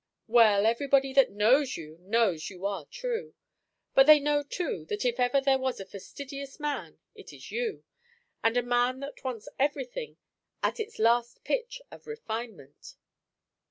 "Well, everybody that knows you knows you are true; but they know, too, that if ever there was a fastidious man, it is you; and a man that wants everything at its last pitch of refinement."